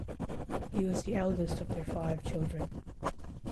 He was the eldest of their five children.